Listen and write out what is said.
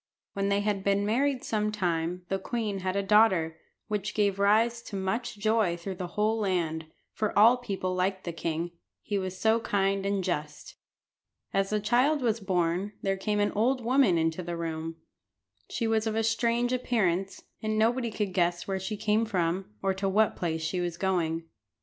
When they had been married some time the queen had a daughter, which gave rise to much joy through the whole land, for all people liked the king, he was so kind and just. As the child was born there came an old woman into the room. She was of a strange appearance, and nobody could guess where she came from, or to what place she was going.